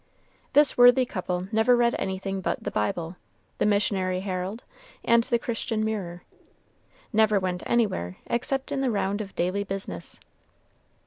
This worthy couple never read anything but the Bible, the "Missionary Herald," and the "Christian Mirror," never went anywhere except in the round of daily business.